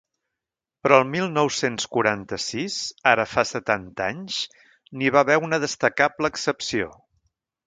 Però el mil nou-cents quaranta-sis, ara fa setanta anys, n’hi va haver una destacable excepció.